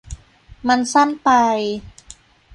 มันสั้นไป